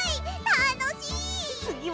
たのしい！